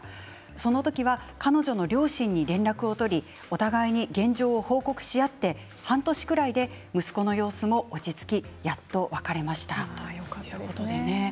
その時は彼女の両親に連絡を取りお互いに現状を報告し合って半年ぐらいで息子の様子も落ち着きやっと別れましたということです。